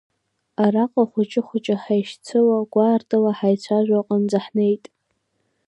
Араҟа хәыҷ-хәыҷы ҳаишьцыло, гәаартла ҳаицәажәо аҟынӡа ҳнеит.